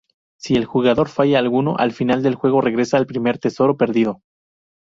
Si el jugador falla alguno, al final del juego regresa al primer tesoro perdido.